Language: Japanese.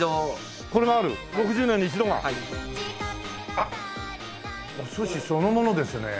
あっお寿司そのものですね。